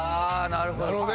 なるほどね。